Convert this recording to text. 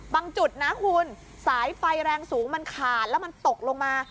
จุดนะคุณสายไฟแรงสูงมันขาดแล้วมันตกลงมา